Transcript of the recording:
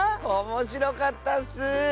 おもしろかったッス！